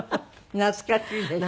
懐かしいでしょ？